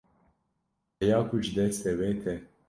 heya ku ji destê we tê